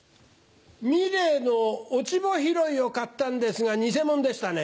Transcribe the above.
ミレーの『落穂拾い』を買ったんですが偽物でしたね。